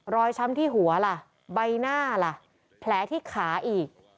ช้ำที่หัวล่ะใบหน้าล่ะแผลที่ขาอีก